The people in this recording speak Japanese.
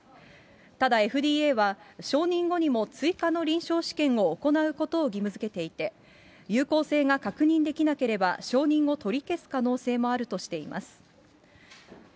ただ、ＦＤＡは承認後にも追加の臨床試験を行うことを義務づけていて、有効性が確認できなければ承認を取り消す可能性もあるとしています。